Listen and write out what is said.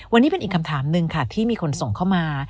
วันนี้เป็นอีกคำถามหนึ่งค่ะที่มีคนส่งเข้ามา